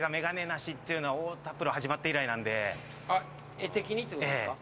画的にってことですか？